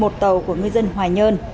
một tàu của ngư dân hoài nhơn